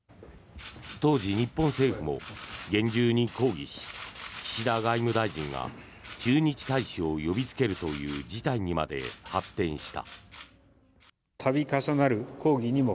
当時、日本政府も厳重に抗議し岸田外務大臣が駐日大使を呼びつけるという事態にまで発展した。